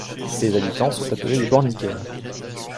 Ses habitants sont appelés les Borniquels.